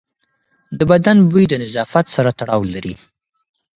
د بدن بوی د نظافت سره تړاو لري.